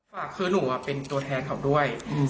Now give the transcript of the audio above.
ภาคคือหนูอ่ะเป็นตัวแท้เขาด้วยอืม